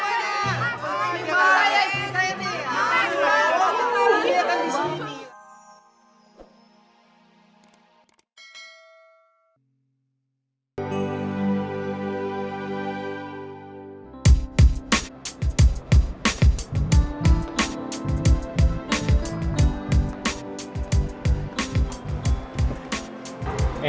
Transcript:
iya kan di sini